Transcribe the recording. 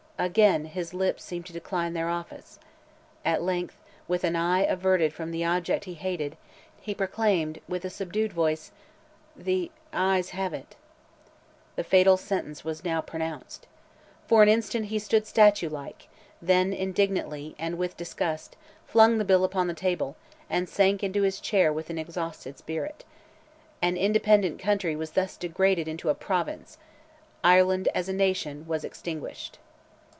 Again his lips seemed to decline their office. At length, with an eye averted from the object he hated, he proclaimed, with a subdued voice, 'The, AYES have it.' The fatal sentence was now pronounced. For an instant he stood statue like; then indignantly, and with disgust, flung the bill upon the table, and sank into his chair with an exhausted spirit. An independent country was thus degraded into a province. Ireland, as a nation, was extinguished."